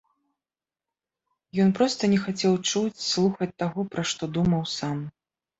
Ён проста не хацеў чуць, слухаць таго, пра што думаў сам.